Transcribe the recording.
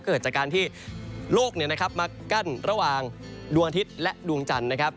เกิดจากการที่โลกมากั้นระหว่างดวงอาทิตย์และดวงจันทร์นะครับ